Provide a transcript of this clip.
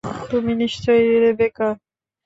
তুমি নিশ্চয়ই রেবেকা।